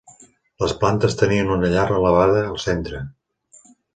Les plantes tenien una llar elevada al centre.